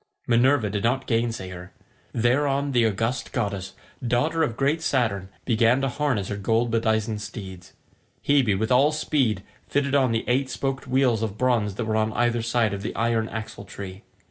Minerva did not gainsay her. Thereon the august goddess, daughter of great Saturn, began to harness her gold bedizened steeds. Hebe with all speed fitted on the eight spoked wheels of bronze that were on either side of the iron axle tree.